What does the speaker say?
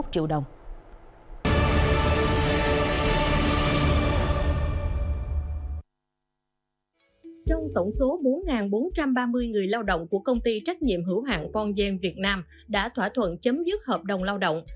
trong tổng số bốn bốn trăm ba mươi người lao động của công ty trách nhiệm hữu hạng congen việt nam đã thỏa thuận chấm dứt hợp đồng lao động